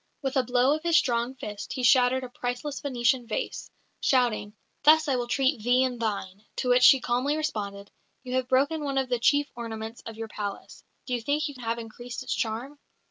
With a blow of his strong fist he shattered a priceless Venetian vase, shouting, "Thus will I treat thee and thine" to which she calmly responded, "You have broken one of the chief ornaments of your palace; do you think you have increased its charm?"